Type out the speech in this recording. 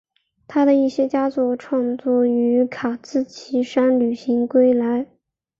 他的一些佳作创作于卡兹奇山旅行归来。